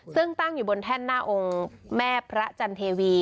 ซึ่งตั้งอยู่บนแท่นหน้าองค์แม่พระจันเทวี